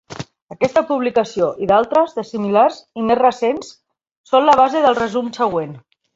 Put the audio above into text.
Aquesta publicació i d'altres de similars i més recents són la base del resum següent.